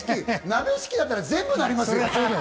鍋敷きだったら全部なりますよ。